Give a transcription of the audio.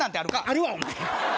あるわお前！